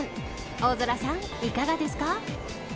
大空さん、いかがですか。